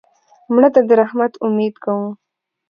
مړه ته د رحمت امید کوو